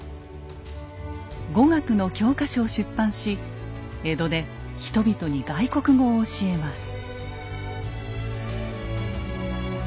語学の教科書を出版し江戸で人々に外国語を教えます。